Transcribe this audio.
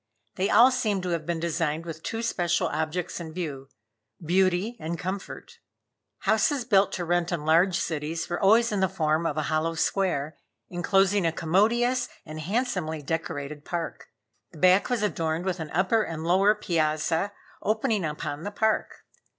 They all seemed to have been designed with two special objects in view beauty and comfort. Houses built to rent in large cities were always in the form of a hollow square, inclosing a commodious and handsomely decorated park. The back was adorned with an upper and lower piazza opening upon the park.